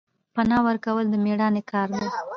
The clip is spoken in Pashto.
پنا ورکول د میړانې کار دی